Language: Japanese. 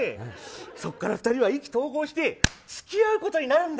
そこから２人は意気投合して付き合うことになるんだ。